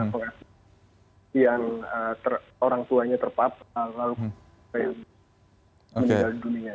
apakah yang orang tuanya terpapar lalu meninggal dunia